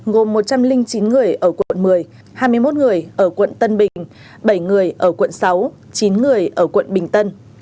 gồm một trăm linh chín người ở quận một mươi hai mươi một người ở quận tân bình bảy người ở quận sáu chín người ở quận bình tân